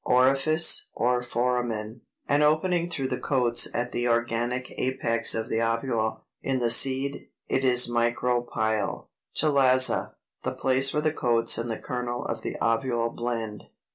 ORIFICE, or FORAMEN, an opening through the coats at the organic apex of the ovule. In the seed it is Micropyle. CHALAZA, the place where the coats and the kernel of the ovule blend.